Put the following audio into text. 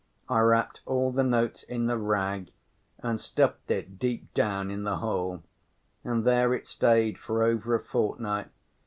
I wrapped all the notes in the rag and stuffed it deep down in the hole. And there it stayed for over a fortnight.